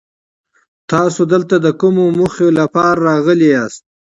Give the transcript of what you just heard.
تاسو دلته د کومې موخې لپاره راغلي ياست؟